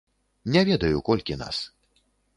Не ведаю, колькі нас.